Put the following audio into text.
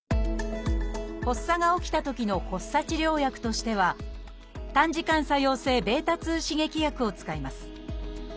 発作が起きたときの発作治療薬としては短時間作用性β刺激薬を使います